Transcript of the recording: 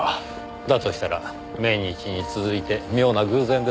だとしたら命日に続いて妙な偶然ですねぇ。